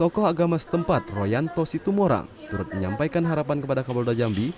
tokoh agama setempat royanto situmorang turut menyampaikan harapan kepada kapolda jambi